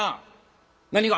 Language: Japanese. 「何が？」。